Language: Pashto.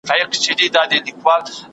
نور د نورو لېوني دې کبرجنې!